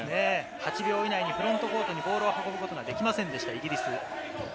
８秒以内にフロントコートにボールを運ぶことができませんでした、イギリス。